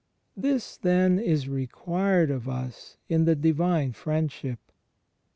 This then is required of us in the Divine Friendship.